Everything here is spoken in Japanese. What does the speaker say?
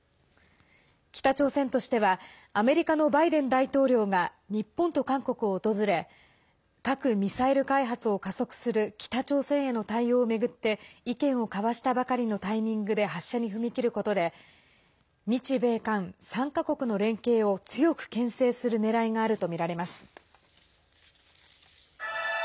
北朝鮮としてはアメリカのバイデン大統領が日本と韓国を訪れ核・ミサイル開発を加速する北朝鮮への対応を巡って意見を交わしたばかりのタイミングで発射に踏み切ることで日米韓３か国の連携を強くけん制するねらいがあるとみられます。